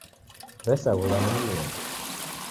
W'esaghulwa ni Mlungu.